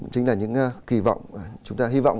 chính là những kỳ vọng chúng ta hy vọng